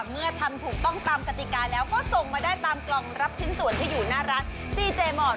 เมื่อทำถูกต้องตามกติกาแล้วก็ส่งมาได้ตามกล่องรับชิ้นส่วนที่อยู่หน้าร้านซีเจมอร์ด